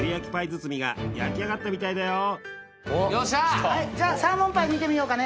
よっしゃじゃあサーモンパイ見てみようかね